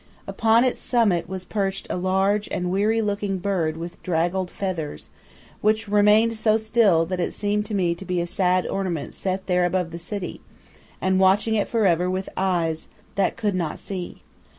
Upon its summit was perched a large and weary looking bird with draggled feathers, which remained so still that it seemed to be a sad ornament set there above the city, and watching it for ever with eyes that could not see.